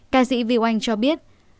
ca sĩ vịu anh cho biết